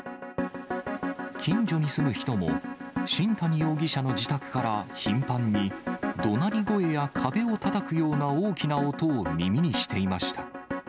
近所に住む人も、新谷容疑者の自宅から頻繁に、どなり声や壁をたたくような大きな音を耳にしていました。